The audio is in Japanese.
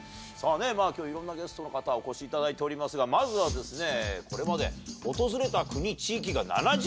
今日いろんなゲストの方お越しいただいておりますがまずはですね。